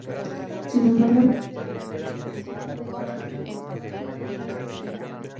Sin embargo, la gestión de Nin como consejero de Justicia fue bastante discutida.